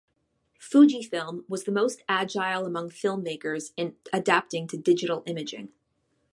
Fujifilm was the most agile among film makers in adapting to digital imaging.